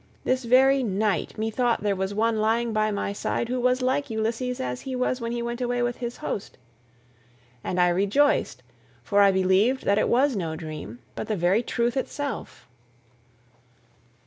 This very night methought there was one lying by my side who was like Ulysses as he was when he went away with his host, and I rejoiced, for I believed that it was no dream, but the very truth itself."